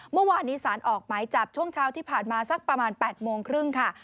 เมื่อวานนี้สารออกหมายจับช่วงเช้าที่ผ่านมาสักประมาณ๘โมงครึ่งค่ะ